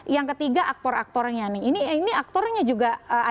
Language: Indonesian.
yang ketiga aktor aktornya ini aktornya juga ada diperlukan